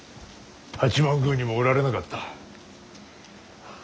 八幡宮にもおられなかった。